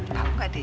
tau gak deh